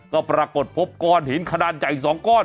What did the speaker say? ก็ปรากฏพบก้อนหินขนาดใหญ่๒ก้อน